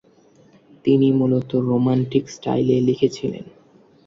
তিনি মূলত রোমান্টিক স্টাইলে লিখেছিলেন।